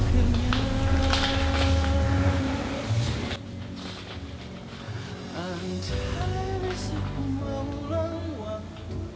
seumur ulang waktu